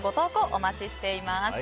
お待ちしております。